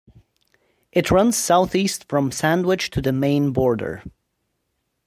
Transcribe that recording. It runs southeast from Sandwich to the Maine border.